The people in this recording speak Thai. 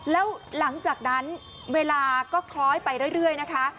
แล้วหลังจากนั้นเวลาก็คล้อยไปเรื่อยนะคะ